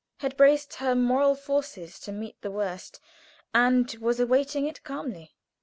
had braced her moral forces to meet the worst, and was awaiting it calmly.